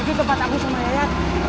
itu tempat aku sama yaya